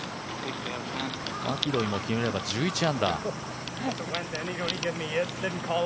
マキロイも決めれば１１アンダー。